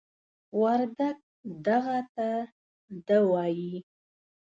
وردگ "دغه" ته "دَ" وايي.